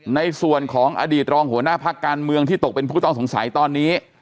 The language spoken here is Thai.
ในส่วนของอดีตรองหัวหน้าพักการเมืองที่ตกเป็นผู้ต้องสงสัยตอนนี้